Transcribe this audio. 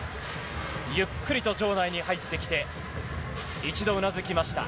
ゆっくりと場内に入ってきて一度うなずきました。